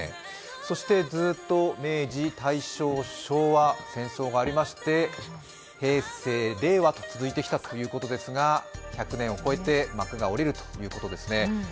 そして、ずっと明治、大正、昭和戦争がありまして、平成、令和と続いてきたということですが１００年を超えて幕が下りるということですね。